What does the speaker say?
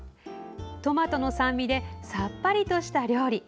トマトの酸味でさっぱりとした料理。